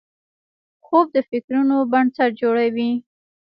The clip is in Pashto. خوب د فکرونو بنسټ جوړوي